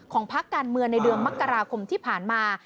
พักการเมืองในเดือนมกราคมที่ผ่านมา